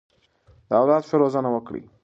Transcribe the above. د اولاد ښه روزنه وکړئ.